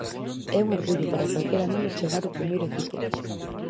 É un orgullo para calquera neno chegar ao primeiro equipo.